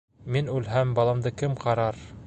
Мин үлһәм, баламды кем ҡарар?